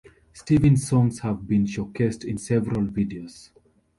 Stevens' songs have been showcased in several videos.